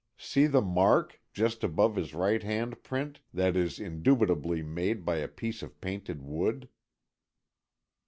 See the mark, just above his right hand print, that is indubitably made by a piece of painted wood."